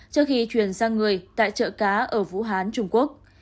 trước khi chuyển sang người tại chợ cá ở vũ hán trung quốc